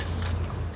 sepuluh jeruk nipis